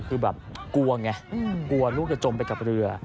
กลัวไงกลัวลูกจะจมไปกับเรือ